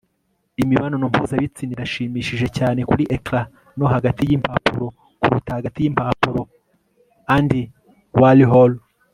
imibonano mpuzabitsina irashimishije cyane kuri ecran no hagati y'impapuro kuruta hagati y'impapuro - andy warhol